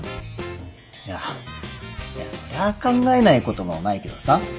いやいやそりゃ考えないこともないけどさ。